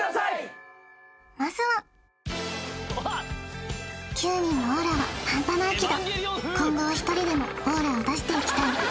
まずは９人のオーラはハンパないけど今後は一人でもオーラを出していきたい